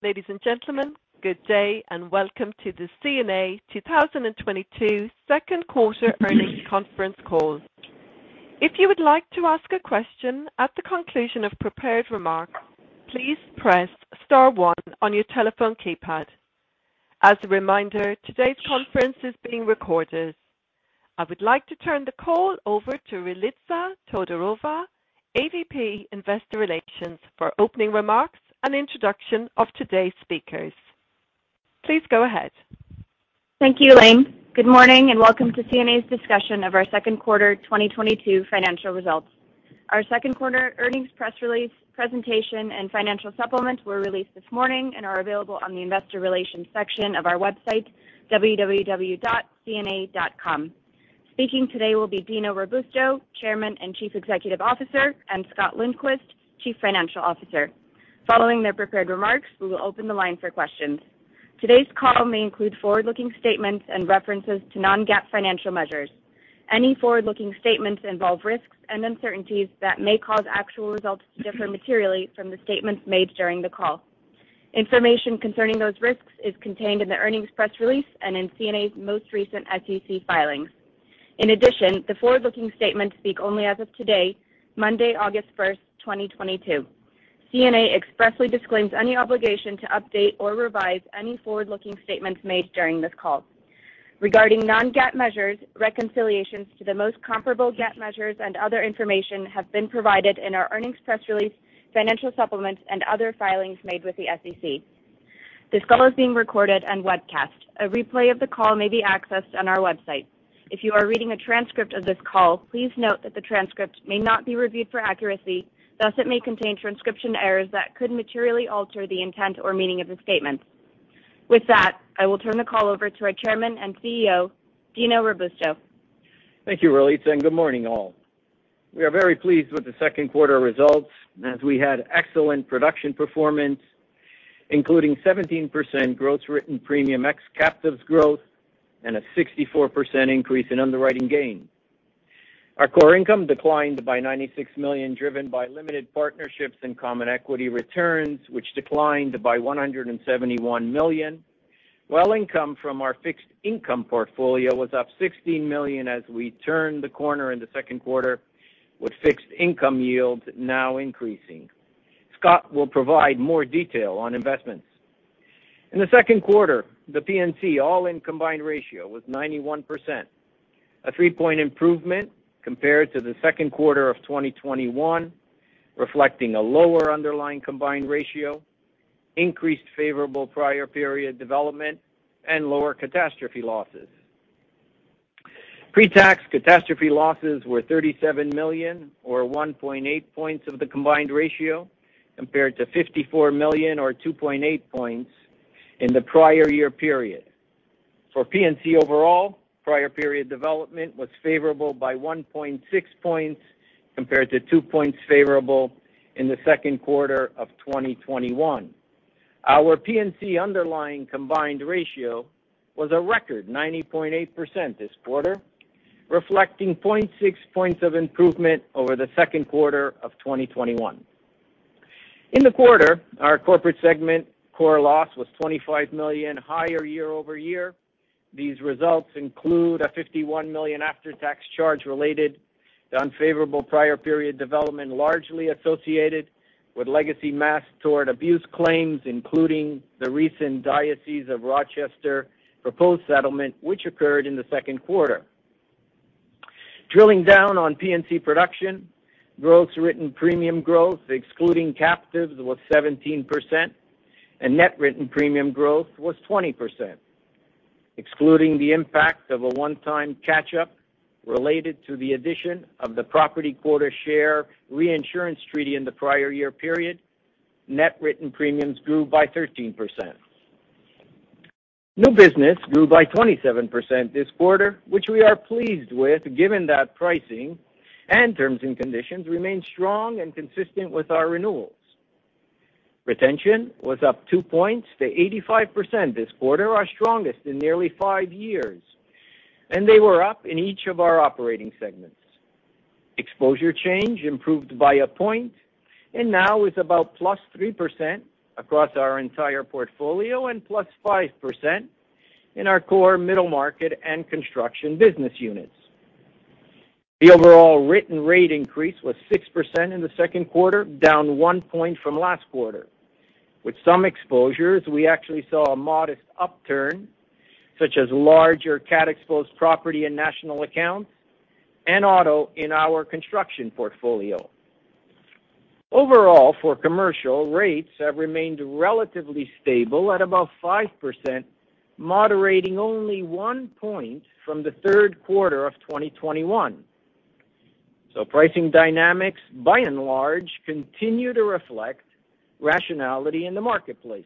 Ladies and gentlemen, good day and welcome to the CNA 2022 second quarter earnings conference call. If you would like to ask a question at the conclusion of prepared remarks, please press star one on your telephone keypad. As a reminder, today's conference is being recorded. I would like to turn the call over to Ralitza Todorova, AVP, Investor Relations, for opening remarks and introduction of today's speakers. Please go ahead. Thank you, Elaine. Good morning and welcome to CNA's discussion of our second quarter 2022 financial results. Our second quarter earnings press release, presentation, and financial supplements were released this morning, and are available on the investor relations section of our website, www.cna.com. Speaking today will be Dino Robusto, Chairman and Chief Executive Officer, and Scott Lindquist, Chief Financial Officer. Following their prepared remarks, we will open the line for questions. Today's call may include forward-looking statements and references to non-GAAP financial measures. Any forward-looking statements involve risks and uncertainties that may cause actual results to differ materially from the statements made during the call. Information concerning those risks is contained in the earnings press release and in CNA's most recent SEC filings. In addition, the forward-looking statements speak only as of today, Monday, August 1, 2022. CNA expressly disclaims any obligation to update or revise any forward-looking statements made during this call. Regarding non-GAAP measures, reconciliations to the most comparable GAAP measures and other information have been provided in our earnings press release, financial supplements, and other filings made with the SEC. This call is being recorded and webcast. A replay of the call may be accessed on our website. If you are reading a transcript of this call, please note that the transcript may not be reviewed for accuracy, thus it may contain transcription errors that could materially alter the intent or meaning of the statements. With that, I will turn the call over to our Chairman and CEO, Dino Robusto. Thank you, Ralitza, and good morning, all. We are very pleased with the second quarter results as we had excellent production performance, including 17% gross written premium ex captives growth and a 64% increase in underwriting gain. Our core income declined by $96 million, driven by limited partnerships and common equity returns, which declined by $171 million, while income from our fixed income portfolio was up $16 million as we turned the corner in the second quarter with fixed income yields now increasing. Scott will provide more detail on investments. In the second quarter, the P&C all-in combined ratio was 91%, a 3-point improvement compared to the second quarter of 2021, reflecting a lower underlying combined ratio, increased favorable prior period development, and lower catastrophe losses. Pre-tax catastrophe losses were $37 million or 1.8 points of the combined ratio compared to $54 million or 2.8 points in the prior year period. For P&C overall, prior period development was favorable by 1.6 points compared to 2 points favorable in the second quarter of 2021. Our P&C underlying combined ratio was a record 90.8% this quarter, reflecting 0.6 points of improvement over the second quarter of 2021. In the quarter, our corporate segment core loss was $25 million higher year-over-year. These results include a $51 million after-tax charge related to unfavorable prior period development, largely associated with legacy mass tort abuse claims, including the recent Diocese of Rochester proposed settlement, which occurred in the second quarter. Drilling down on P&C production, gross written premium growth, excluding captives, was 17%, and net written premium growth was 20%. Excluding the impact of a one-time catch-up related to the addition of the property quota share reinsurance treaty in the prior year period, net written premiums grew by 13%. New business grew by 27% this quarter, which we are pleased with given that pricing and terms and conditions remain strong and consistent with our renewals. Retention was up 2 points to 85% this quarter, our strongest in nearly five years, and they were up in each of our operating segments. Exposure change improved by a point and now is about +3% across our entire portfolio and +5% in our core middle market and construction business units. The overall written rate increase was 6% in the second quarter, down 1 point from last quarter. With some exposures, we actually saw a modest upturn, such as larger cat-exposed property and national accounts and auto in our construction portfolio. Overall, for commercial, rates have remained relatively stable at about 5%, moderating only 1 point from the third quarter of 2021. Pricing dynamics, by and large, continue to reflect rationality in the marketplace.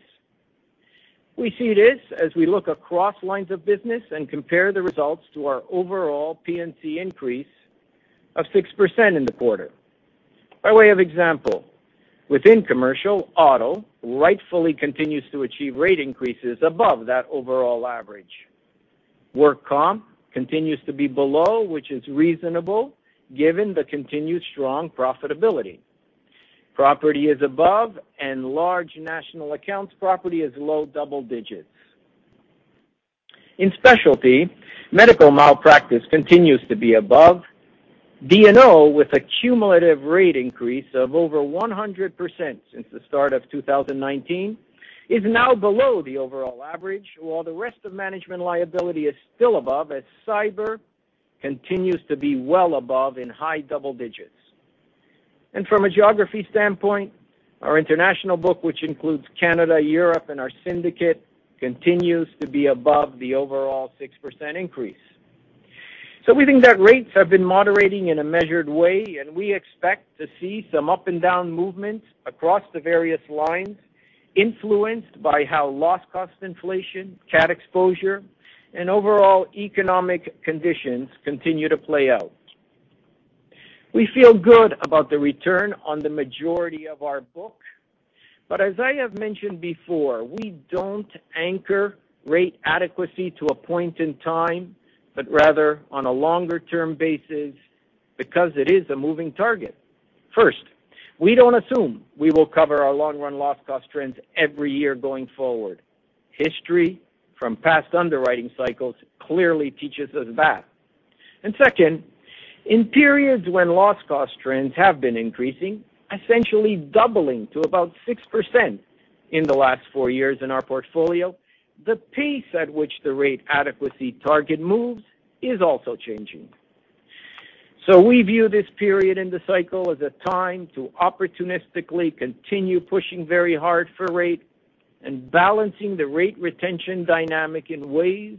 We see this as we look across lines of business and compare the results to our overall P&C increase of 6% in the quarter. By way of example, within commercial, auto rightfully continues to achieve rate increases above that overall average. Work comp continues to be below, which is reasonable given the continued strong profitability. Property is above and large national accounts property is low double digits. In specialty, medical malpractice continues to be above. D&O with a cumulative rate increase of over 100% since the start of 2019, is now below the overall average, while the rest of management liability is still above as cyber continues to be well above in high double digits. From a geography standpoint, our international book, which includes Canada, Europe, and our syndicate, continues to be above the overall 6% increase. We think that rates have been moderating in a measured way, and we expect to see some up and down movement across the various lines, influenced by how loss cost inflation, CAT exposure, and overall economic conditions continue to play out. We feel good about the return on the majority of our books, but as I have mentioned before, we don't anchor rate adequacy to a point in time, but rather on a longer-term basis because it is a moving target. First, we don't assume we will cover our long-run loss cost trends every year going forward. History from past underwriting cycles clearly teaches us that. Second, in periods when loss cost trends have been increasing, essentially doubling to about 6% in the last four years in our portfolio, the pace at which the rate adequacy target moves is also changing. We view this period in the cycle as a time to opportunistically continue pushing very hard for rate and balancing the rate retention dynamic in ways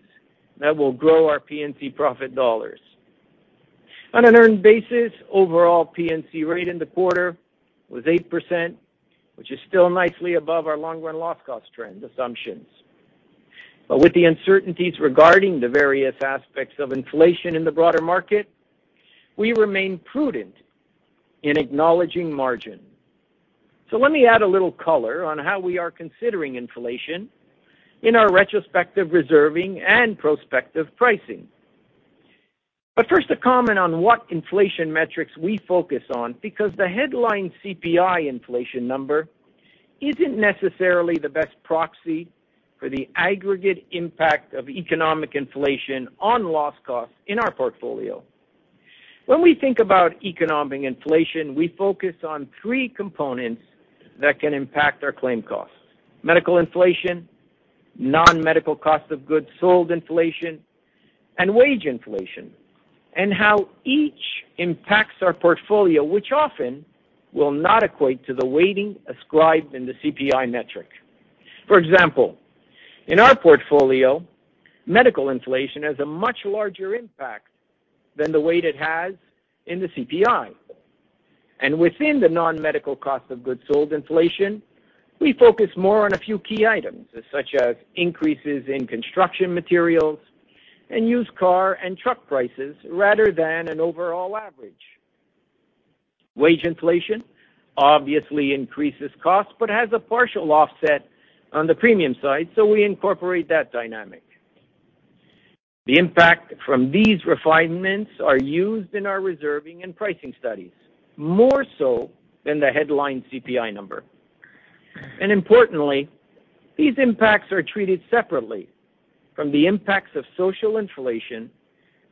that will grow our P&C profit dollars. On an earned basis, overall P&C rate in the quarter was 8%, which is still nicely above our long-run loss cost trend assumptions. With the uncertainties regarding the various aspects of inflation in the broader market, we remain prudent in acknowledging margin. Let me add a little color on how we are considering inflation in our retrospective reserving and prospective pricing. First, to comment on what inflation metrics we focus on because the headline CPI inflation number isn't necessarily the best proxy for the aggregate impact of economic inflation on loss costs in our portfolio. When we think about economic inflation, we focus on three components that can impact our claim costs, medical inflation, non-medical cost of goods sold inflation, and wage inflation, and how each impacts our portfolio, which often will not equate to the weighting ascribed in the CPI metric. For example, in our portfolio, medical inflation has a much larger impact than the weight it has in the CPI. Within the non-medical cost of goods sold inflation, we focus more on a few key items, such as increases in construction materials and used car and truck prices rather than an overall average. Wage inflation obviously increases costs, but has a partial offset on the premium side, so we incorporate that dynamic. The impact from these refinements are used in our reserving and pricing studies more so than the headline CPI number. Importantly, these impacts are treated separately from the impacts of social inflation,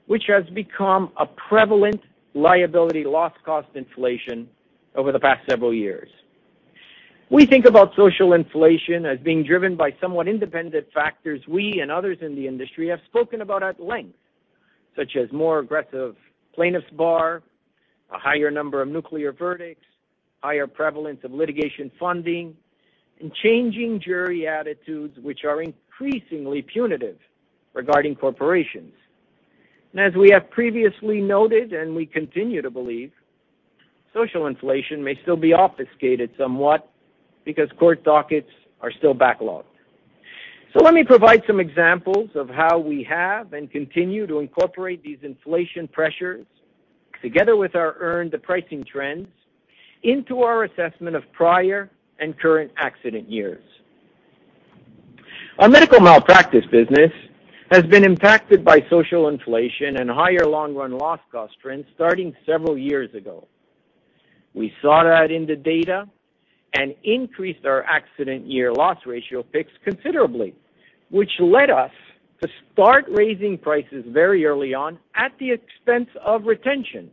which has become a prevalent liability loss cost inflation over the past several years. We think about social inflation as being driven by somewhat independent factors we and others in the industry have spoken about at length, such as more aggressive plaintiffs' bar, a higher number of nuclear verdicts, higher prevalence of litigation funding, and changing jury attitudes which are increasingly punitive regarding corporations. As we have previously noted and we continue to believe, social inflation may still be obfuscated somewhat because court dockets are still backlogged. Let me provide some examples of how we have and continue to incorporate these inflation pressures together with our earned pricing trends into our assessment of prior and current accident years. Our medical malpractice business has been impacted by social inflation and higher long-run loss cost trends starting several years ago. We saw that in the data and increased our accident year loss ratio picks considerably, which led us to start raising prices very early on at the expense of retention.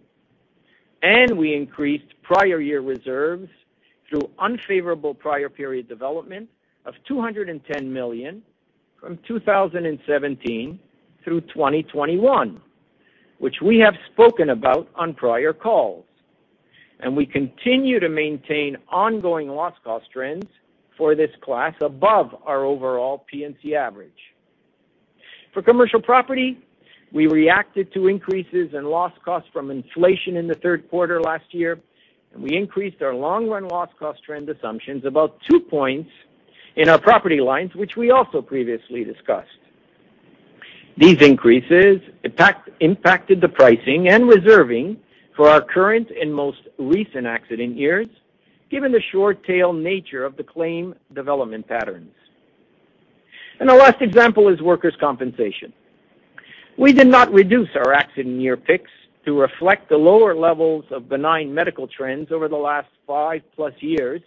We increased prior year reserves through unfavorable prior period development of $210 million from 2017 through 2021, which we have spoken about on prior calls. We continue to maintain ongoing loss cost trends for this class above our overall P&C average. For commercial property, we reacted to increases in loss costs from inflation in the third quarter last year, and we increased our long-run loss cost trend assumptions about 2 points in our property lines, which we also previously discussed. These increases impacted the pricing and reserving for our current and most recent accident years. Given the short tail nature of the claim development patterns. The last example is workers' compensation. We did not reduce our accident year picks to reflect the lower levels of benign medical trends over the last 5+ years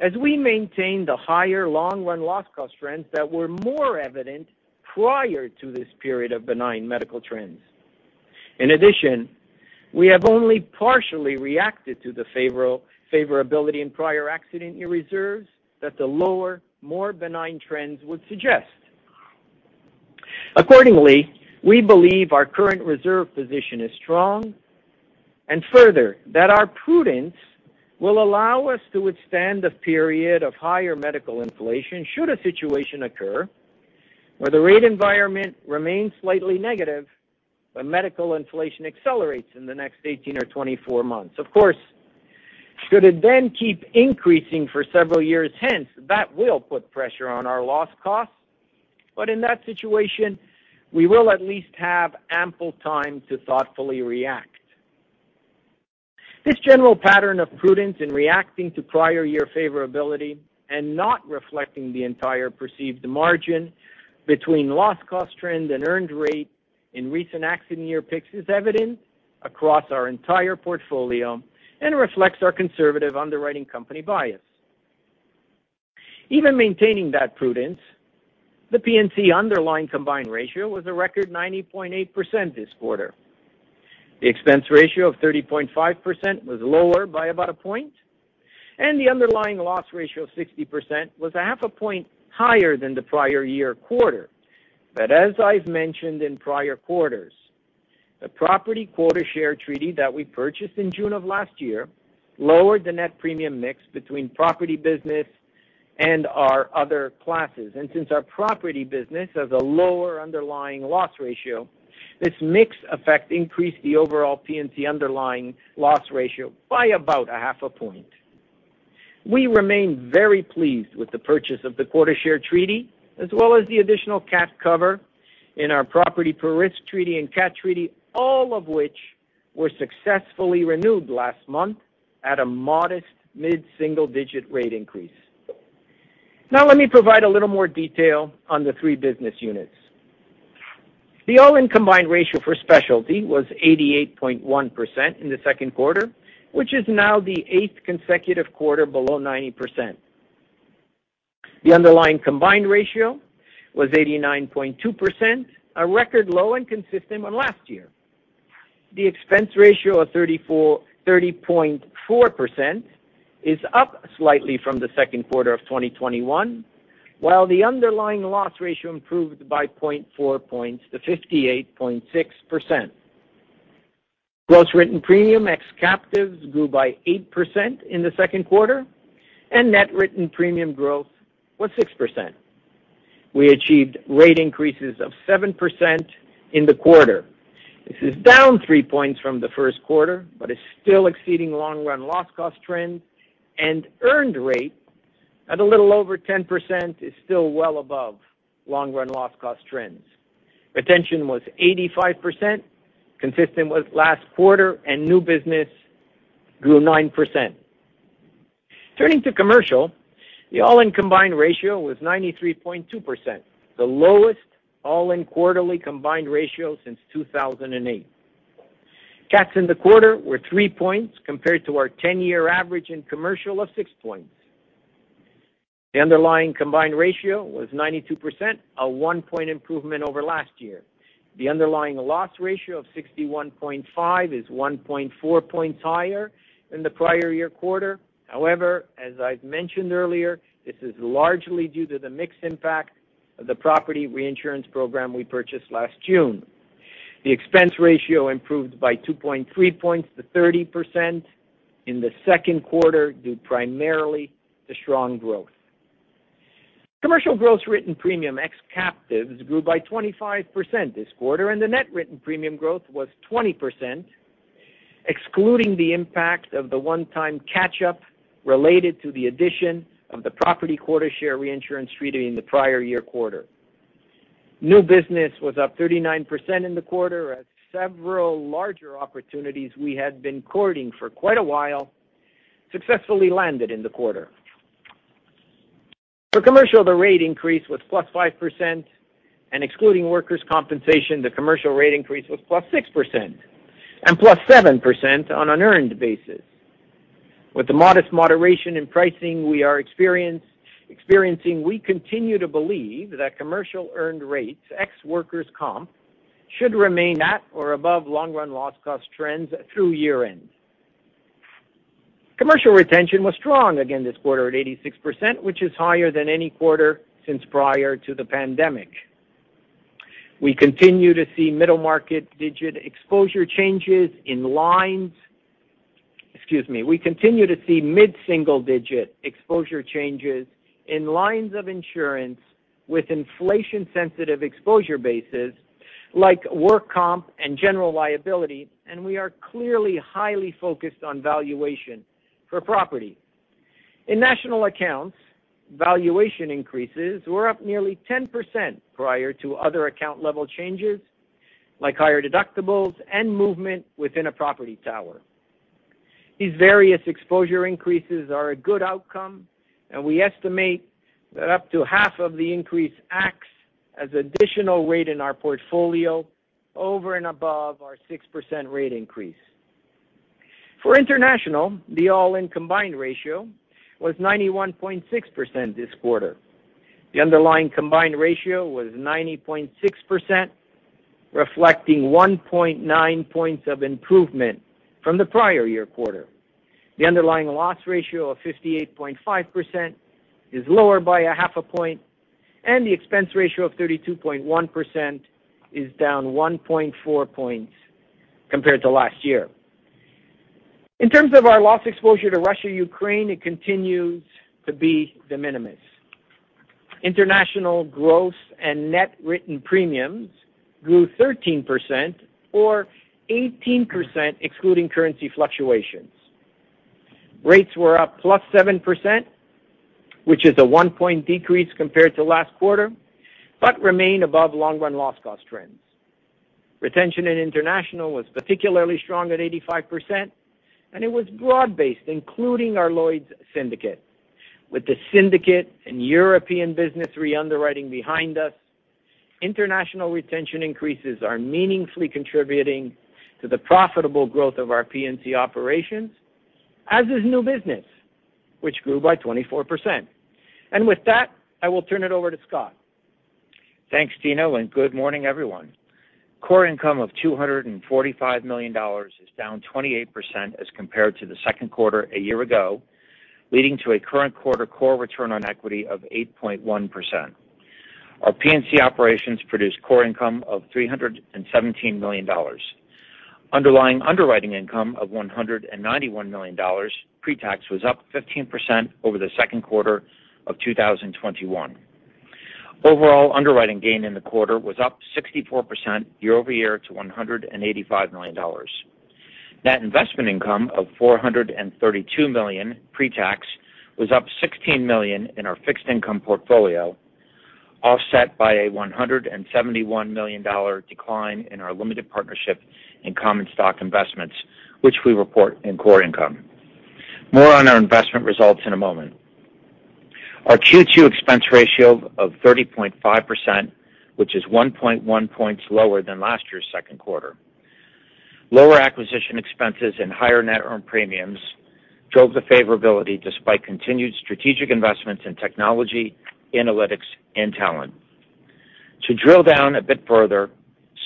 as we maintain the higher long-run loss cost trends that were more evident prior to this period of benign medical trends. In addition, we have only partially reacted to the favorability in prior accident year reserves that the lower, more benign trends would suggest. Accordingly, we believe our current reserve position is strong, and further, that our prudence will allow us to withstand a period of higher medical inflation should a situation occur where the rate environment remains slightly negative, but medical inflation accelerates in the next 18 or 24 months. Of course, should it then keep increasing for several years hence, that will put pressure on our loss costs. In that situation, we will at least have ample time to thoughtfully react. This general pattern of prudence in reacting to prior year favorability and not reflecting the entire perceived margin between loss cost trend and earned rate in recent accident year picks is evident across our entire portfolio and reflects our conservative underwriting company bias. Even maintaining that prudence, the CNA underlying combined ratio was a record 90.8% this quarter. The expense ratio of 30.5% was lower by about a point, and the underlying loss ratio of 60% was a half a point higher than the prior-year quarter. As I've mentioned in prior quarters, the property quota share treaty that we purchased in June of last year lowered the net premium mix between property business and our other classes. Since our property business has a lower underlying loss ratio, this mix effect increased the overall P&C underlying loss ratio by about a half a point. We remain very pleased with the purchase of the quota share treaty, as well as the additional cat cover in our property per risk treaty and catastrophe treaty, all of which were successfully renewed last month at a modest mid-single-digit rate increase. Now, let me provide a little more detail on the three business units. The all-in combined ratio for specialty was 88.1% in the second quarter, which is now the eighth consecutive quarter below 90%. The underlying combined ratio was 89.2%, a record low and consistent with last year. The expense ratio of 30.4% is up slightly from the second quarter of 2021, while the underlying loss ratio improved by 0.4 points to 58.6%. Gross written premium ex captives grew by 8% in the second quarter, and net written premium growth was 6%. We achieved rate increases of 7% in the quarter. This is down 3 points from the first quarter, but is still exceeding long run loss cost trends, and earned rate at a little over 10% is still well above long run loss cost trends. Retention was 85%, consistent with last quarter, and new business grew 9%. Turning to commercial, the all-in combined ratio was 93.2%, the lowest all-in quarterly combined ratio since 2008. Cats in the quarter were 3 points compared to our 10-year average in commercial of 6 points. The underlying combined ratio was 92%, a 1-point improvement over last year. The underlying loss ratio of 61.5 is 1.4 points higher than the prior year quarter. However, as I've mentioned earlier, this is largely due to the mix impact of the property reinsurance program we purchased last June. The expense ratio improved by 2.3 points to 30% in the second quarter, due primarily to strong growth. Commercial gross written premium ex captives grew by 25% this quarter, and the net written premium growth was 20%, excluding the impact of the one-time catch-up related to the addition of the property quota share reinsurance treaty in the prior year quarter. New business was up 39% in the quarter as several larger opportunities we had been courting for quite a while successfully landed in the quarter. For commercial, the rate increase was +5%, and excluding workers' compensation, the commercial rate increase was +6% and +7% on an earned basis. With the modest moderation in pricing we are experiencing, we continue to believe that commercial earned rates, ex workers' comp, should remain at or above long run loss cost trends through year-end. Commercial retention was strong again this quarter at 86%, which is higher than any quarter since prior to the pandemic. We continue to see middle market D&O exposure changes in lines. Excuse me. We continue to see mid-single-digit exposure changes in lines of insurance with inflation-sensitive exposure bases like work comp and general liability, and we are clearly highly focused on valuation for property. In national accounts, valuation increases were up nearly 10% prior to other account level changes, like higher deductibles and movement within a property tower. These various exposure increases are a good outcome, and we estimate that up to half of the increase acts as additional weight in our portfolio over and above our 6% rate increase. For international, the all-in combined ratio was 91.6% this quarter. The underlying combined ratio was 90.6%, reflecting 1.9 points of improvement from the prior year quarter. The underlying loss ratio of 58.5% is lower by 0.5 point, and the expense ratio of 32.1% is down 1.4 points compared to last year. In terms of our loss exposure to Russia/Ukraine, it continues to be de minimis. International gross and net written premiums grew 13% or 18% excluding currency fluctuations. Rates were up +7%, which is a 1-point decrease compared to last quarter, but remain above long-run loss cost trends. Retention in international was particularly strong at 85%, and it was broad-based, including our Lloyd's syndicate. With the syndicate and European business re-underwriting behind us, international retention increases are meaningfully contributing to the profitable growth of our P&C operations, as is new business, which grew by 24%. With that, I will turn it over to Scott. Thanks, Dino, and good morning, everyone. Core income of $245 million is down 28% as compared to the second quarter a year ago, leading to a current quarter core return on equity of 8.1%. Our P&C operations produced core income of $317 million. Underlying underwriting income of $191 million pre-tax was up 15% over the second quarter of 2021. Overall underwriting gain in the quarter was up 64% year-over-year to $185 million. Net investment income of $432 million pre-tax was up $16 million in our fixed income portfolio, offset by a $171 million decline in our limited partnership in common stock investments, which we report in core income. More on our investment results in a moment. Our Q2 expense ratio of 30.5%, which is 1.1 points lower than last year's second quarter. Lower acquisition expenses and higher net earned premiums drove the favorability despite continued strategic investments in technology, analytics, and talent. To drill down a bit further,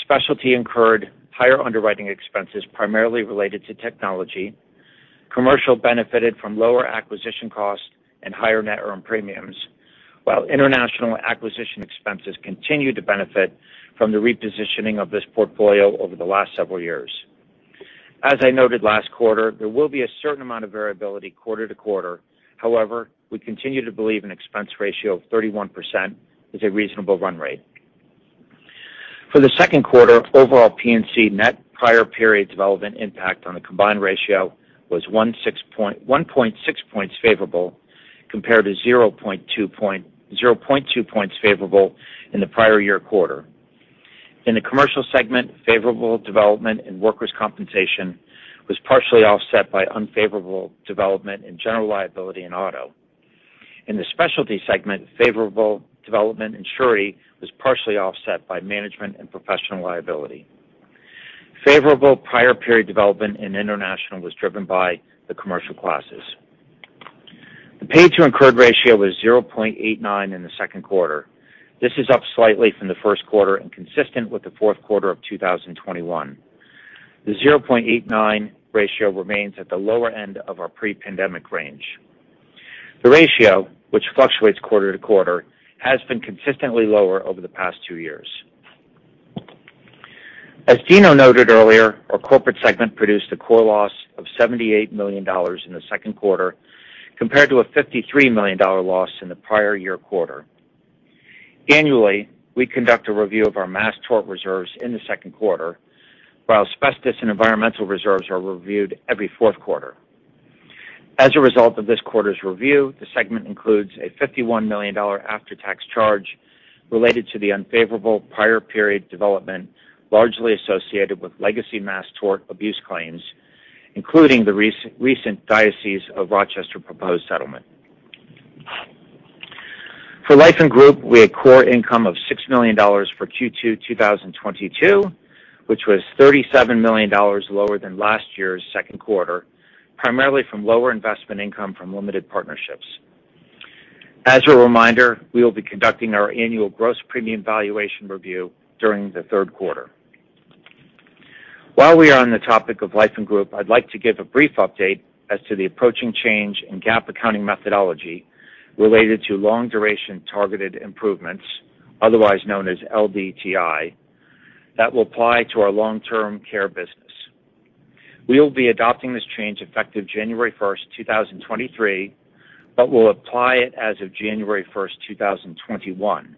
Specialty incurred higher underwriting expenses primarily related to technology. Commercial benefited from lower acquisition costs and higher net earned premiums, while international acquisition expenses continued to benefit from the repositioning of this portfolio over the last several years. As I noted last quarter, there will be a certain amount of variability quarter to quarter. However, we continue to believe an expense ratio of 31% is a reasonable run rate. For the second quarter, overall P&C net prior period development impact on the combined ratio was 1.6 points favorable compared to 0.2 points favorable in the prior year quarter. In the commercial segment, favorable development in workers' compensation was partially offset by unfavorable development in general liability and auto. In the specialty segment, favorable development in surety was partially offset by management and professional liability. Favorable prior period development in international was driven by the commercial classes. The paid-to-incurred ratio was 0.89 in the second quarter. This is up slightly from the first quarter and consistent with the fourth quarter of 2021. The 0.89 ratio remains at the lower end of our pre-pandemic range. The ratio, which fluctuates quarter to quarter, has been consistently lower over the past two years. As Dino noted earlier, our corporate segment produced a core loss of $78 million in the second quarter compared to a $53 million loss in the prior year quarter. Annually, we conduct a review of our mass tort reserves in the second quarter, while asbestos and environmental reserves are reviewed every fourth quarter. As a result of this quarter's review, the segment includes a $51 million after-tax charge related to the unfavorable prior period development largely associated with legacy mass tort abuse claims, including the recent Diocese of Rochester proposed settlement. For Life & Group, we had core income of $6 million for Q2-2022, which was $37 million lower than last year's second quarter, primarily from lower investment income from limited partnerships. As a reminder, we will be conducting our annual gross premium valuation review during the third quarter. While we are on the topic of Life & Group, I'd like to give a brief update as to the approaching change in GAAP accounting methodology related to long-duration targeted improvements, otherwise known as LDTI, that will apply to our long-term care business. We will be adopting this change effective January 1, 2023, but will apply it as of January 1, 2021.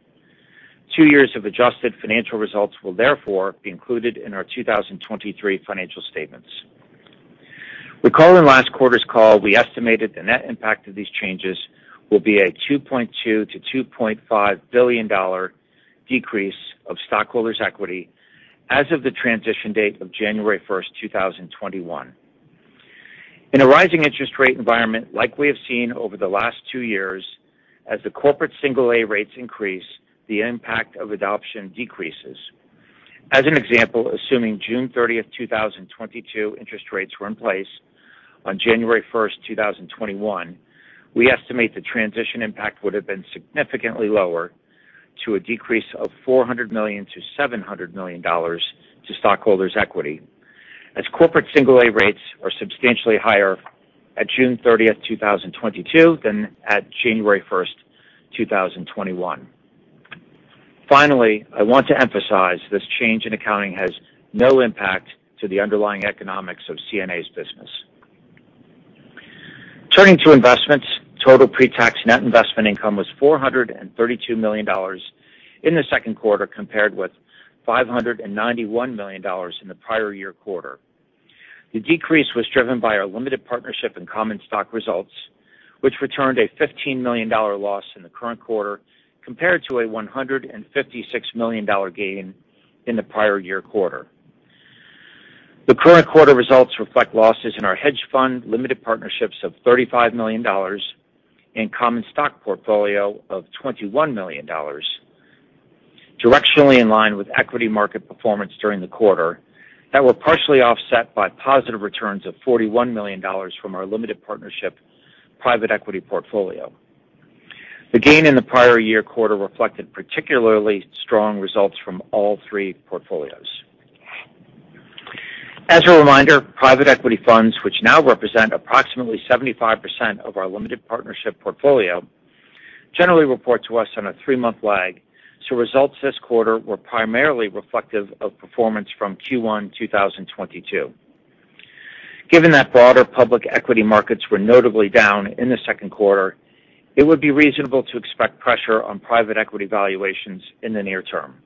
Two years of adjusted financial results will therefore be included in our 2023 financial statements. Recall in last quarter's call, we estimated the net impact of these changes will be a $2.2 billion-$2.5 billion decrease of stockholders' equity as of the transition date of January 1, 2021. In a rising interest rate environment like we have seen over the last two years, as the corporate single-A rates increase, the impact of adoption decreases. As an example, assuming June 30, 2022 interest rates were in place on January 1, 2021, we estimate the transition impact would have been significantly lower, to a decrease of $400 million-$700 million to stockholders' equity as corporate single-A rates are substantially higher at June 30, 2022 than at January 1, 2021. Finally, I want to emphasize this change in accounting has no impact to the underlying economics of CNA's business. Turning to investments, total pre-tax net investment income was $432 million in the second quarter, compared with $591 million in the prior year quarter. The decrease was driven by our limited partnership and common stock results, which returned a $15 million loss in the current quarter compared to a $156 million gain in the prior year quarter. The current quarter results reflect losses in our hedge fund, limited partnerships of $35 million and common stock portfolio of $21 million, directionally in line with equity market performance during the quarter that were partially offset by positive returns of $41 million from our limited partnership private equity portfolio. The gain in the prior year quarter reflected particularly strong results from all three portfolios. As a reminder, private equity funds, which now represent approximately 75% of our limited partnership portfolio, generally report to us on a three-month lag, so results this quarter were primarily reflective of performance from Q1 2022. Given that broader public equity markets were notably down in the second quarter, it would be reasonable to expect pressure on private equity valuations in the near term.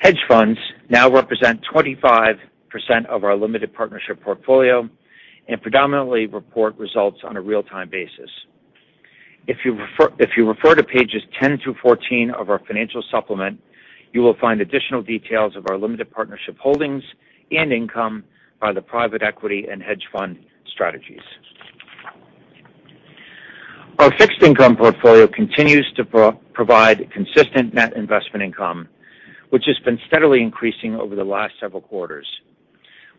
Hedge funds now represent 25% of our limited partnership portfolio and predominantly report results on a real-time basis. If you refer to pages 10 through 14 of our financial supplement, you will find additional details of our limited partnership holdings and income by the private equity and hedge fund strategies. Our fixed income portfolio continues to provide consistent net investment income, which has been steadily increasing over the last several quarters.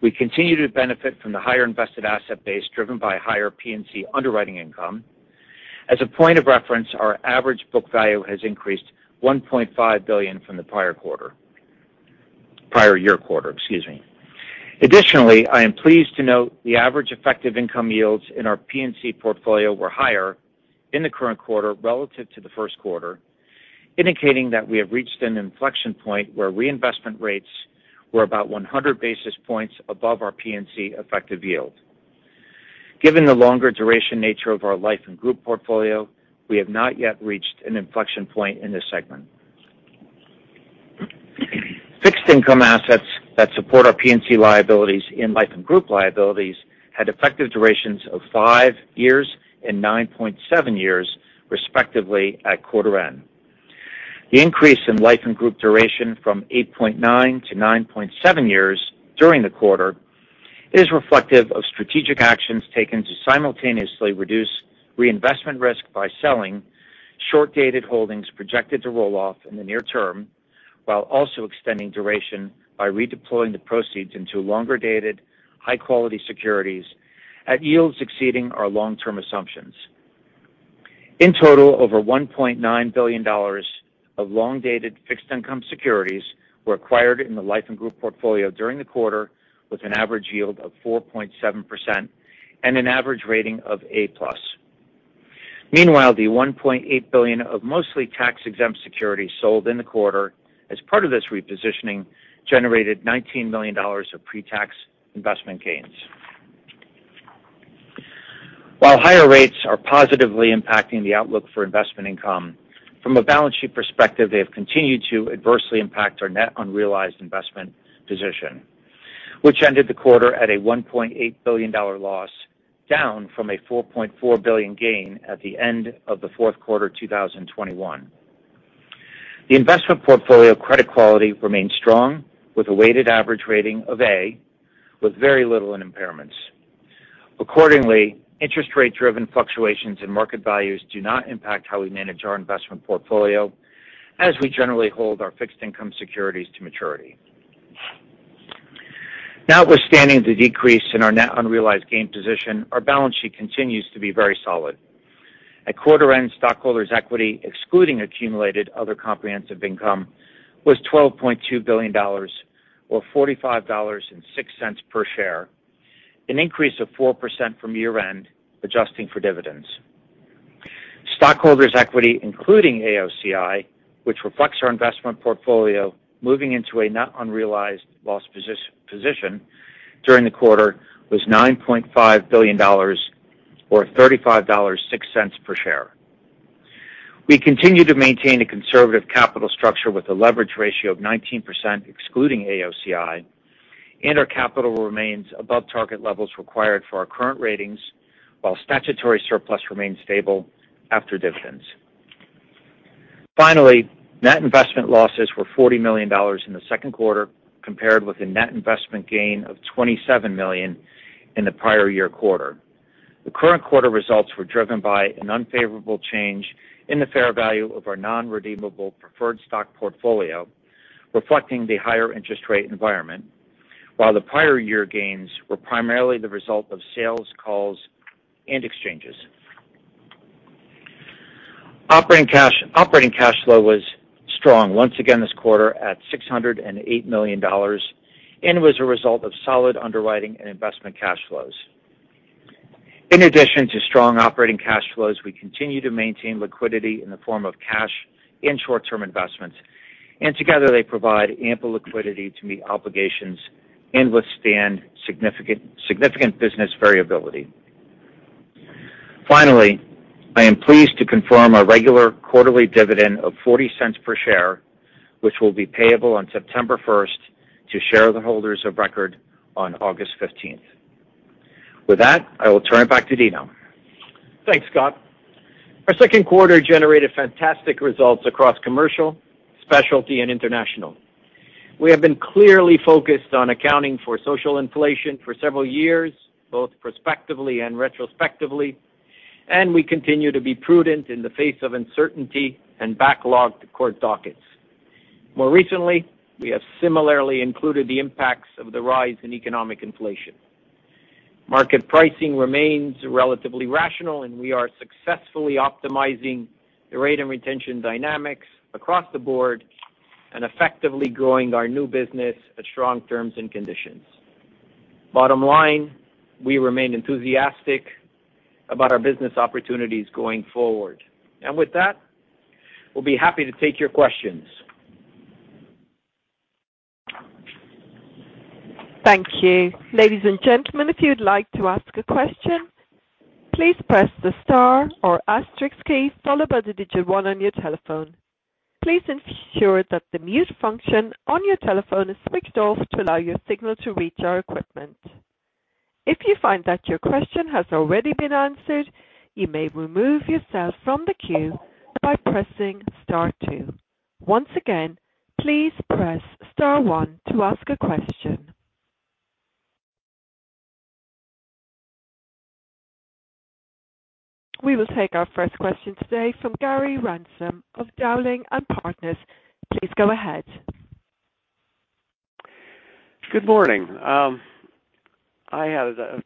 We continue to benefit from the higher invested asset base driven by higher P&C underwriting income. As a point of reference, our average book value has increased $1.5 billion from the prior year quarter. Additionally, I am pleased to note the average effective income yields in our P&C portfolio were higher in the current quarter relative to the first quarter, indicating that we have reached an inflection point where reinvestment rates were about 100 basis points above our P&C effective yield. Given the longer duration nature of our Life & Group portfolio, we have not yet reached an inflection point in this segment. Fixed income assets that support our P&C liabilities and Life & Group liabilities had effective durations of five years and 9.7 years, respectively, at quarter end. The increase in Life & Group duration from 8.9 to 9.7 years during the quarter is reflective of strategic actions taken to simultaneously reduce reinvestment risk by selling short-dated holdings projected to roll off in the near term, while also extending duration by redeploying the proceeds into longer-dated, high-quality securities at yields exceeding our long-term assumptions. In total, over $1.9 billion of long-dated fixed income securities were acquired in the Life & Group portfolio during the quarter with an average yield of 4.7% and an average rating of A+. Meanwhile, the $1.8 billion of mostly tax-exempt securities sold in the quarter as part of this repositioning generated $19 million of pre-tax investment gains. While higher rates are positively impacting the outlook for investment income, from a balance sheet perspective, they have continued to adversely impact our net unrealized investment position, which ended the quarter at a $1.8 billion loss, down from a $4.4 billion gain at the end of the fourth quarter 2021. The investment portfolio credit quality remains strong with a weighted average rating of A with very little in impairments. Accordingly, interest rate-driven fluctuations in market values do not impact how we manage our investment portfolio as we generally hold our fixed income securities to maturity. Notwithstanding the decrease in our net unrealized gain position, our balance sheet continues to be very solid. At quarter end, stockholders' equity, excluding accumulated other comprehensive income, was $12.2 billion or $45.06 per share, an increase of 4% from year-end, adjusting for dividends. Stockholders' equity, including AOCI, which reflects our investment portfolio moving into a net unrealized loss position during the quarter, was $9.5 billion or $35.06 per share. We continue to maintain a conservative capital structure with a leverage ratio of 19% excluding AOCI, and our capital remains above target levels required for our current ratings, while statutory surplus remains stable after dividends. Finally, net investment losses were $40 million in the second quarter compared with a net investment gain of $27 million in the prior year quarter. The current quarter results were driven by an unfavorable change in the fair value of our non-redeemable preferred stock portfolio, reflecting the higher interest rate environment, while the prior year gains were primarily the result of sales calls and exchanges. Operating cash flow was strong once again this quarter at $608 million and was a result of solid underwriting and investment cash flows. In addition to strong operating cash flows, we continue to maintain liquidity in the form of cash and short-term investments, and together they provide ample liquidity to meet obligations and withstand significant business variability. Finally, I am pleased to confirm our regular quarterly dividend of $0.40 per share, which will be payable on September first to shareholders of record on August fifteenth. With that, I will turn it back to Dino. Thanks, Scott. Our second quarter generated fantastic results across commercial, specialty, and international. We have been clearly focused on accounting for social inflation for several years, both prospectively and retrospectively, and we continue to be prudent in the face of uncertainty and backlogged court dockets. More recently, we have similarly included the impacts of the rise in economic inflation. Market pricing remains relatively rational, and we are successfully optimizing the rate and retention dynamics across the board and effectively growing our new business at strong terms and conditions. Bottom line, we remain enthusiastic about our business opportunities going forward. With that, we'll be happy to take your questions. Thank you. Ladies and gentlemen, if you'd like to ask a question, please press the star or asterisk key followed by the digit one on your telephone. Please ensure that the mute function on your telephone is switched off to allow your signal to reach our equipment. If you find that your question has already been answered, you may remove yourself from the queue by pressing star two. Once again, please press star one to ask a question. We will take our first question today from Gary Ransom of Dowling & Partners. Please go ahead. Good morning. I had a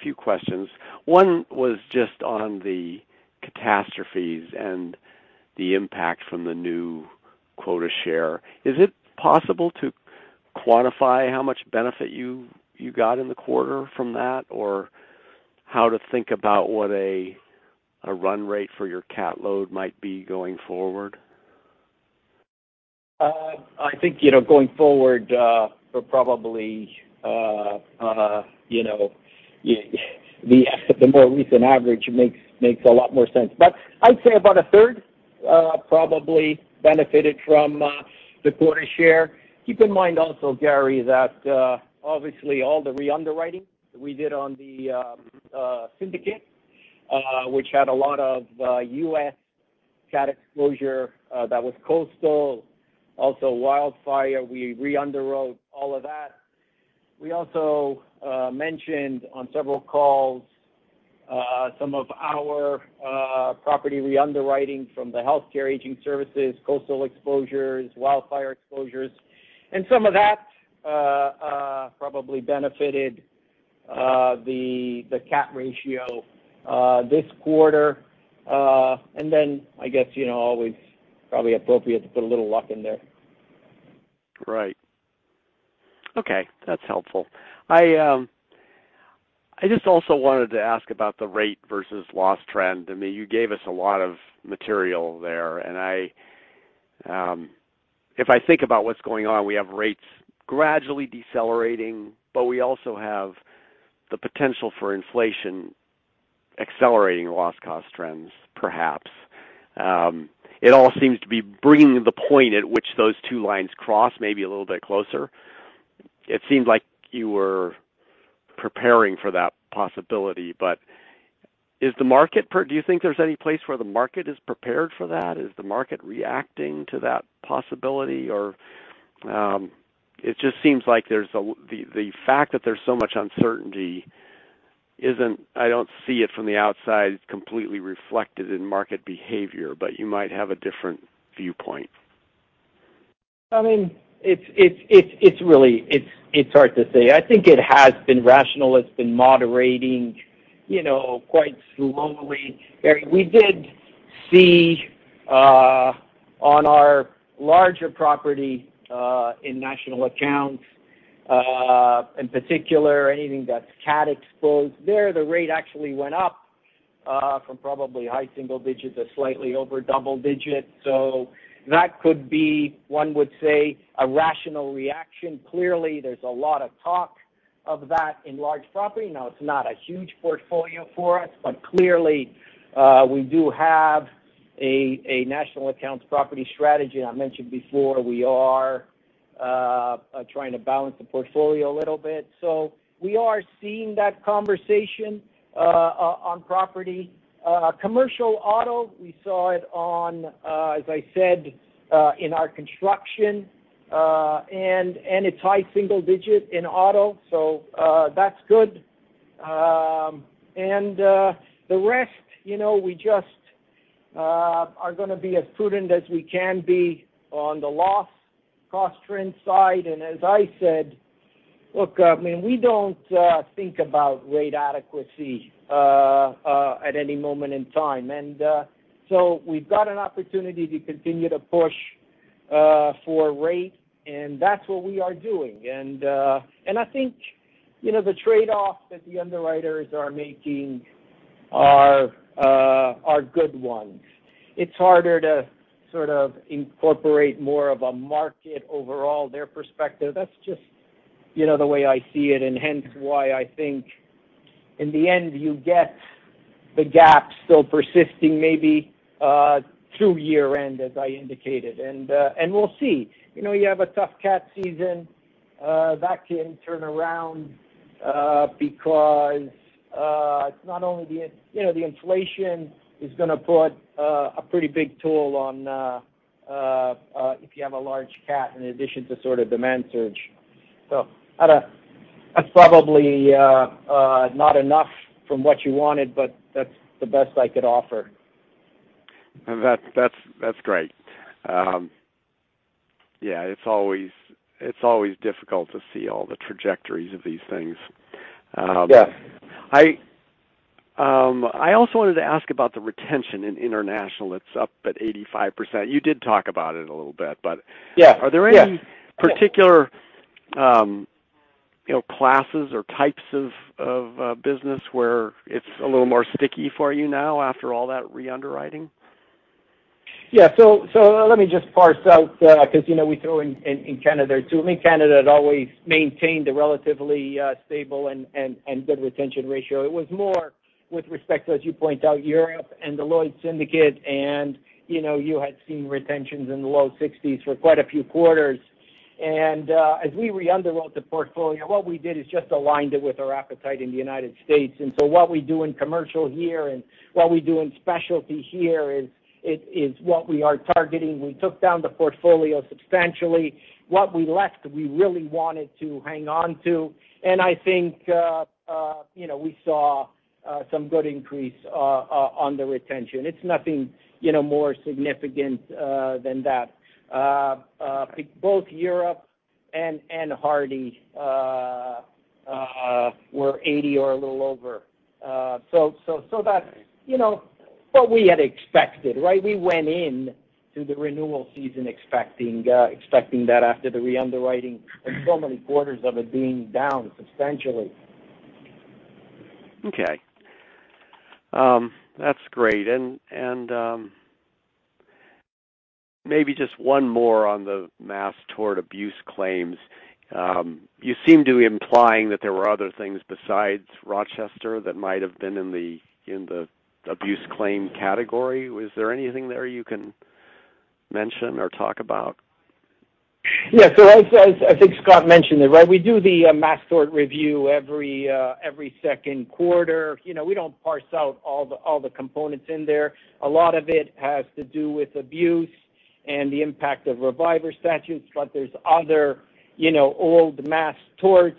few questions. One was just on the catastrophes and the impact from the new quota share. Is it possible to quantify how much benefit you got in the quarter from that? Or how to think about what a run rate for your cat load might be going forward? I think, you know, going forward, for probably, you know, the more recent average makes a lot more sense. I'd say about a third probably benefited from the quota share. Keep in mind also, Gary, that obviously all the re-underwriting we did on the syndicate, which had a lot of U.S. cat exposure, that was coastal, also wildfire, we re-underwrote all of that. We also mentioned on several calls some of our property re-underwriting from the healthcare aging services, coastal exposures, wildfire exposures, and some of that probably benefited the cat ratio this quarter. I guess, you know, always probably appropriate to put a little luck in there. Right. Okay, that's helpful. I just also wanted to ask about the rate versus loss trend. I mean, you gave us a lot of material there, and I, if I think about what's going on, we have rates gradually decelerating, but we also have the potential for inflation accelerating loss cost trends, perhaps. It all seems to be bringing the point at which those two lines cross maybe a little bit closer. It seems like you were preparing for that possibility, but do you think there's any place where the market is prepared for that? Is the market reacting to that possibility? Or, it just seems like the fact that there's so much uncertainty isn't, I don't see it from the outside, it's completely reflected in market behavior, but you might have a different viewpoint. I mean, it's really hard to say. I think it has been rational. It's been moderating, you know, quite slowly. We did see on our larger property in national accounts, in particular, anything that's cat exposed, there the rate actually went up from probably high single digits or slightly over double digits. So that could be, one would say, a rational reaction. Clearly, there's a lot of talk of that in large property. Now, it's not a huge portfolio for us, but clearly, we do have a national accounts property strategy. I mentioned before, we are trying to balance the portfolio a little bit. So we are seeing that conversation on property. Commercial auto, we saw it, as I said, in our construction, and its high single digit in auto, that's good. The rest, you know, we just are gonna be as prudent as we can be on the loss cost trend side. As I said. Look, I mean, we don't think about rate adequacy at any moment in time. We've got an opportunity to continue to push for rate, and that's what we are doing. I think, you know, the trade-off that the underwriters are making are good ones. It's harder to sort of incorporate more of a market overall, their perspective. That's just, you know, the way I see it and hence why I think in the end you get the gap still persisting maybe through year-end, as I indicated. We'll see. You know, you have a tough cat season that can turn around because it's not only the. You know, the inflation is gonna put a pretty big toll on if you have a large cat in addition to sort of demand surge. That's probably not enough from what you wanted, but that's the best I could offer. That's great. Yeah, it's always difficult to see all the trajectories of these things. Yes. I also wanted to ask about the retention in international. It's up at 85%. You did talk about it a little bit, but. Yeah, yeah. Are there any particular, you know, classes or types of business where it's a little more sticky for you now after all that reunderwriting? Yeah. So let me just parse out, 'cause, you know, we throw in Canada too. I mean, Canada had always maintained a relatively stable and good retention ratio. It was more with respect to, as you point out, Europe and the Lloyd's Syndicate, and, you know, you had seen retentions in the low 60s for quite a few quarters. As we reunderwrote the portfolio, what we did is just aligned it with our appetite in the United States. What we do in commercial here and what we do in specialty here is what we are targeting. We took down the portfolio substantially. What we left, we really wanted to hang on to. I think, you know, we saw some good increase on the retention. It's nothing, you know, more significant than that. Both Europe and Hardy were 80% or a little over. That's, you know, what we had expected, right? We went in to the renewal season expecting that after the reunderwriting and so many quarters of it being down substantially. Okay. That's great. Maybe just one more on the mass tort abuse claims. You seem to be implying that there were other things besides Rochester that might have been in the abuse claim category. Was there anything there you can mention or talk about? Yeah. As I think Scott mentioned it, right? We do the mass tort review every second quarter. You know, we don't parse out all the components in there. A lot of it has to do with abuse and the impact of reviver statutes, but there's other you know old mass torts.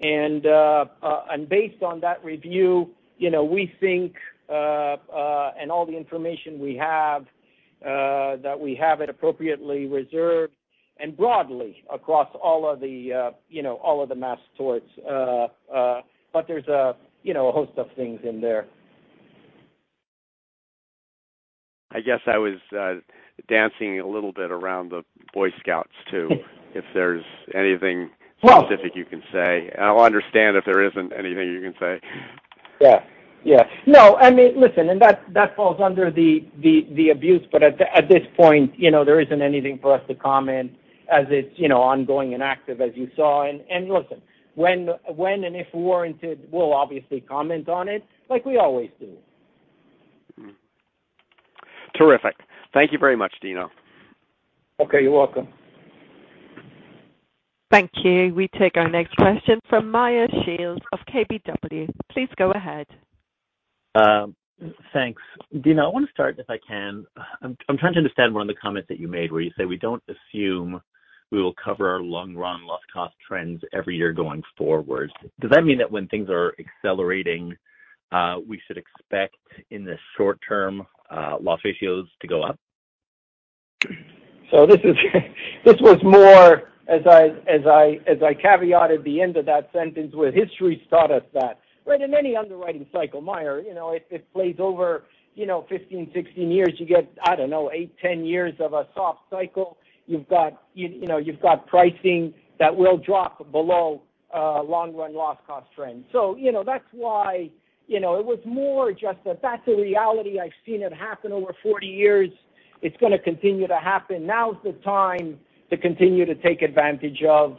Based on that review, you know, we think and all the information we have that we have it appropriately reserved and broadly across all of the you know all of the mass torts. But there's a you know a host of things in there. I guess I was dancing a little bit around the Boy Scouts too. If there's anything specific you can say. I'll understand if there isn't anything you can say. Yeah. No, I mean, listen, and that falls under the abuse. At this point, you know, there isn't anything for us to comment as it's, you know, ongoing and active as you saw. Listen, when and if warranted, we'll obviously comment on it like we always do. Terrific. Thank you very much, Dino. Okay, you're welcome. Thank you. We take our next question from Meyer Shields of KBW. Please go ahead. Thanks. Dino, I want to start, if I can. I'm trying to understand one of the comments that you made where you say we don't assume we will cover our long-run loss cost trends every year going forward. Does that mean that when things are accelerating, we should expect in the short term, loss ratios to go up? This was more as I caveated the end of that sentence with history's taught us that, right? In any underwriting cycle, Meyer, you know, it plays over, you know, 15, 16 years. You get, I don't know, eight, 10 years of a soft cycle. You know, you've got pricing that will drop below long run loss cost trends. That's why, you know, it was more just that that's a reality. I've seen it happen over 40 years. It's going to continue to happen. Now is the time to continue to take advantage of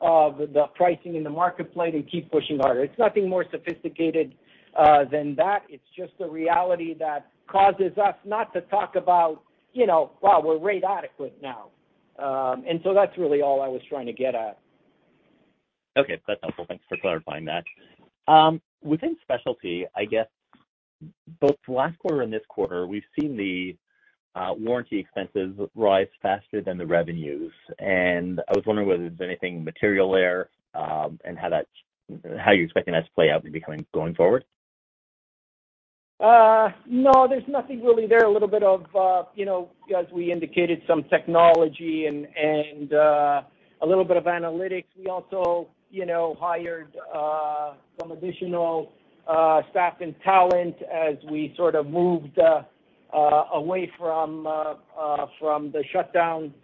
the pricing in the marketplace and keep pushing harder. It's nothing more sophisticated than that. It's just the reality that causes us not to talk about, you know, well, we're rate adequate now. That's really all I was trying to get at. Okay. That's helpful. Thanks for clarifying that. Within specialty, I guess both last quarter and this quarter, we've seen the underwriting expenses rise faster than the revenues. I was wondering whether there's anything material there, and how you're expecting that to play out going forward. No, there's nothing really there. A little bit of, you know, as we indicated, some technology and a little bit of analytics. We also, you know, hired some additional staff and talent as we sort of moved away from the shutdown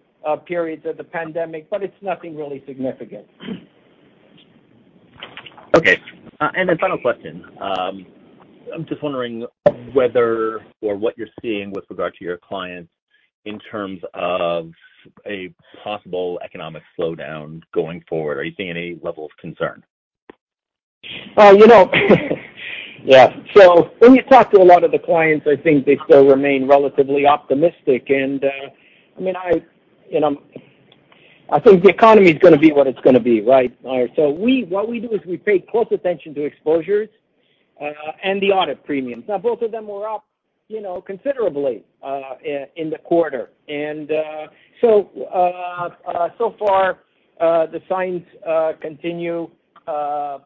periods of the pandemic, but it's nothing really significant. Okay. Final question. I'm just wondering whether or what you're seeing with regard to your clients in terms of a possible economic slowdown going forward. Are you seeing any level of concern? Well, you know, yeah. So, when you talk to a lot of the clients, I think they still remain relatively optimistic. I mean, you know, I think the economy is going to be what it's going to be, right? What we do is we pay close attention to exposures and the audit premiums. Now, both of them were up, you know, considerably, in the quarter. So far, the signs continue to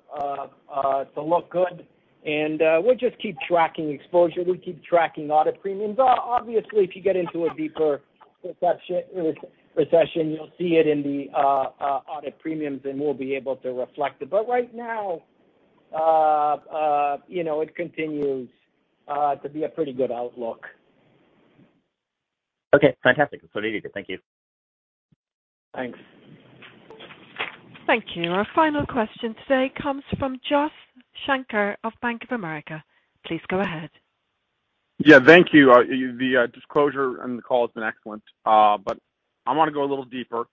look good. We'll just keep tracking exposure. We keep tracking audit premiums. Obviously, if you get into a deeper recession, you'll see it in the audit premiums, and we'll be able to reflect it. Right now, you know, it continues to be a pretty good outlook. Okay, fantastic. That's all I need to. Thank you. Thanks. Thank you. Our final question today comes from Josh Shanker of Bank of America. Please go ahead. Yeah, thank you. The disclosure on the call has been excellent, but I want to go a little deeper.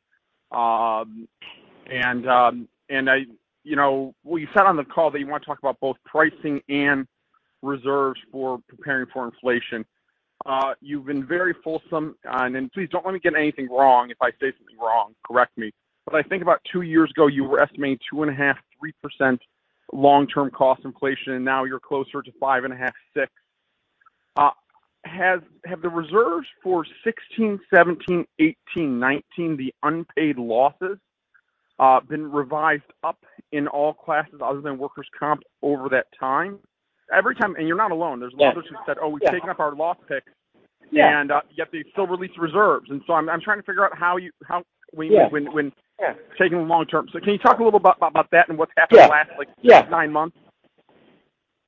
You know, well, you said on the call that you want to talk about both pricing and reserves for preparing for inflation. You've been very fulsome on. Please don't let me get anything wrong. If I say something wrong, correct me. But I think about two years ago, you were estimating 2.5-3% long-term cost inflation, and now you're closer to 5.5-6%. Have the reserves for 2016, 2017, 2018, 2019, the unpaid losses, been revised up in all classes other than workers' comp over that time? Every time. You're not alone. Yeah. There's others who said, "Oh, we've taken up our loss pick. Yeah. Yet they still release reserves. I'm trying to figure out how you, how we- Yeah. When taking them long term. Can you talk a little about that and what's happened? Yeah. In the last, like nine months?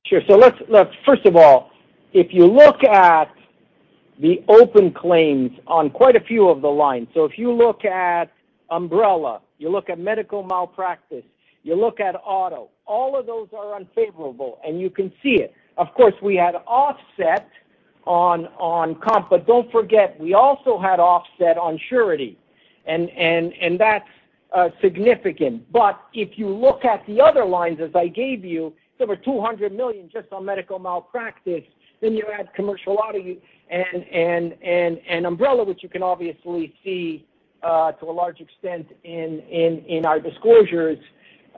Sure. Let's first of all, if you look at the open claims on quite a few of the lines, so if you look at umbrella, you look at medical malpractice, you look at auto, all of those are unfavorable, and you can see it. Of course, we had offset on comp, but don't forget, we also had offset on surety, and that's significant. If you look at the other lines as I gave you, there were $200 million just on medical malpractice. You add commercial auto and umbrella, which you can obviously see to a large extent in our disclosures.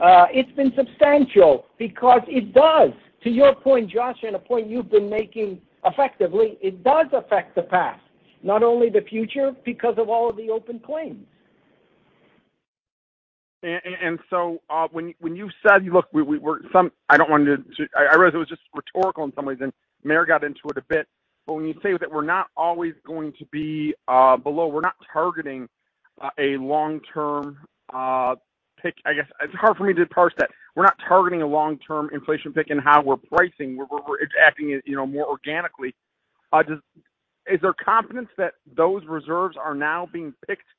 It's been substantial because it does. To your point, Josh, and a point you've been making effectively, it does affect the past, not only the future, because of all of the open claims. When you said, I realize it was just rhetorical in some ways, and Meyer got into it a bit. When you say that we're not always going to be below, we're not targeting a long-term pick-up. I guess it's hard for me to parse that. We're not targeting a long-term inflation pick-up in how we're pricing. It's acting, you know, more organically. Is there confidence that those reserves are now being picked up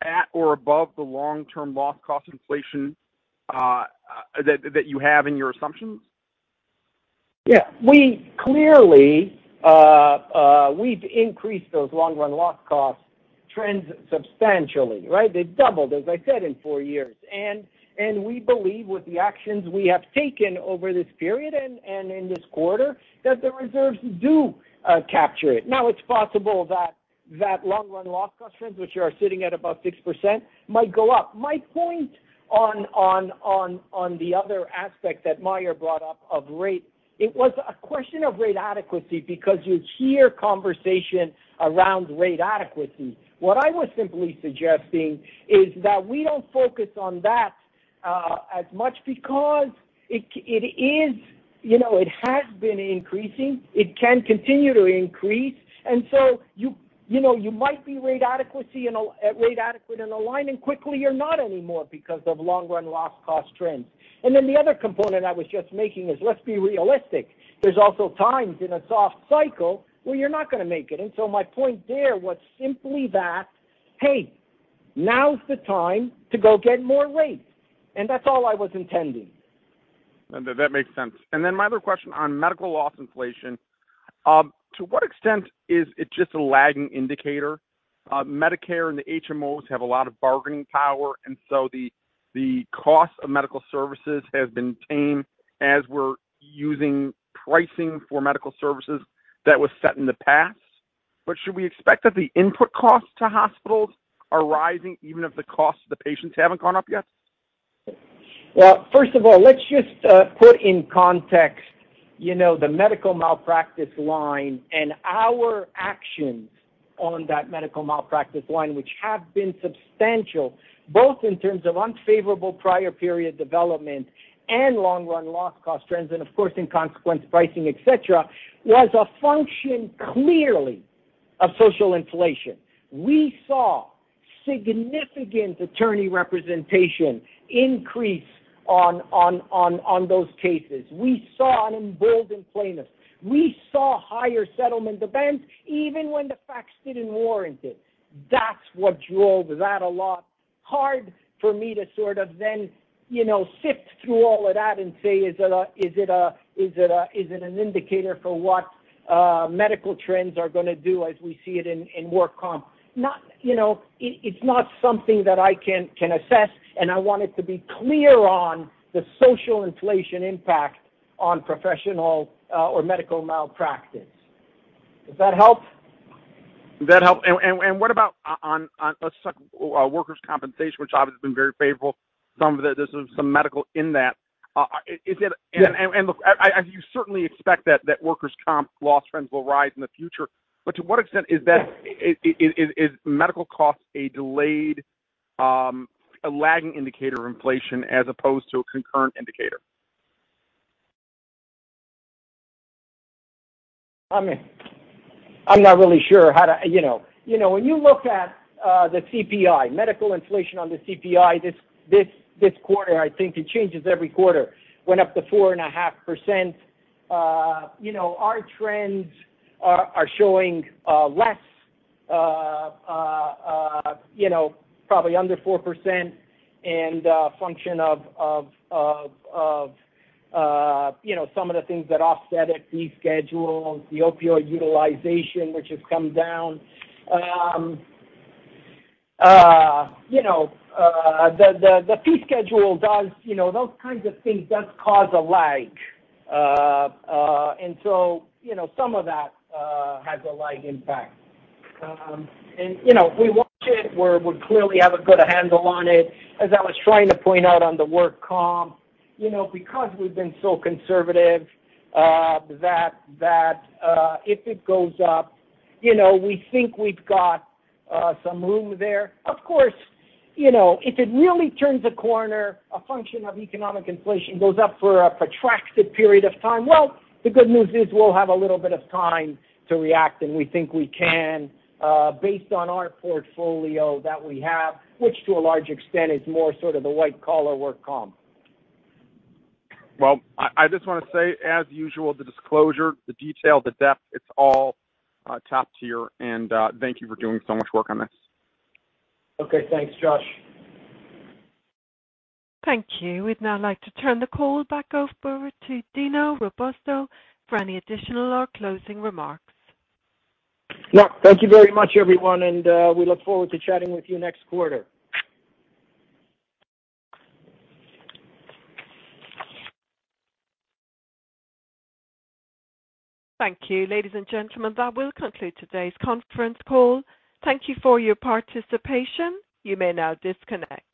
at or above the long-term loss cost inflation that you have in your assumptions? Yeah. We clearly, we've increased those long run loss cost trends substantially, right? They've doubled, as I said, in four years. We believe with the actions we have taken over this period and, in this quarter, that the reserves do capture it. Now, it's possible that that long run loss cost trends, which are sitting at about 6%, might go up. My point on the other aspect that Meyer brought up of rate, it was a question of rate adequacy because you hear conversation around rate adequacy. What I was simply suggesting is that we don't focus on that as much because it is, you know, it has been increasing, it can continue to increase. You know, you might be rate adequate in a line, and quickly you're not anymore because of long run loss cost trends. The other component I was just making is, let's be realistic. There's also times in a soft cycle where you're not going to make it. My point there was simply that, hey, now's the time to go get more rates. That's all I was intending. That makes sense. My other question on medical loss inflation. To what extent is it just a lagging indicator? Medicare and the HMOs have a lot of bargaining power, and so the cost of medical services has been tamed as we're using pricing for medical services that was set in the past. Should we expect that the input costs to hospitals are rising even if the costs to the patients haven't gone up yet? Well, first of all, let's just put in context, you know, the medical malpractice line and our actions on that medical malpractice line, which have been substantial, both in terms of unfavorable prior period development and long-run loss cost trends and of course in consequence pricing, et cetera, was a function clearly of social inflation. We saw significant attorney representation increase on those cases. We saw an emboldened plaintiff. We saw higher settlement demands even when the facts didn't warrant it. That's what drove that a lot. Hard for me to sort of then, you know, sift through all of that and say, is it an indicator for what medical trends are gonna do as we see it in work comp. Not. You know, it's not something that I can assess, and I want it to be clear on the social inflation impact on professional or medical malpractice. Does that help? That helps. What about? Let's talk workers' compensation, which obviously has been very favorable. There's some medical in that. Is it? Yeah. You certainly expect that workers' comp loss trends will rise in the future. To what extent is that medical costs a delayed, a lagging indicator of inflation as opposed to a concurrent indicator? I mean, I'm not really sure how to. You know. You know, when you look at the CPI, medical inflation on the CPI this quarter, I think it changes every quarter. It went up to 4.5%. You know, our trends are showing less, you know, probably under 4% and function of some of the things that offset it, fee schedules, the opioid utilization, which has come down. You know, the fee schedule does. You know, those kinds of things does cause a lag. Some of that has a lag impact. You know, we watch it. We clearly have a good handle on it. As I was trying to point out on the work comp, you know, because we've been so conservative, that if it goes up, you know, we think we've got some room there. Of course, you know, if it really turns a corner, a function of economic inflation goes up for a protracted period of time, well, the good news is we'll have a little bit of time to react, and we think we can, based on our portfolio that we have, which to a large extent is more sort of the white-collar work comp. Well, I just wanna say, as usual, the disclosure, the detail, the depth, it's all top tier. Thank you for doing so much work on this. Okay. Thanks, Josh. Thank you. We'd now like to turn the call back over to Dino Robusto for any additional or closing remarks. No, thank you very much, everyone, and we look forward to chatting with you next quarter. Thank you. Ladies and gentlemen, that will conclude today's conference call. Thank you for your participation. You may now disconnect.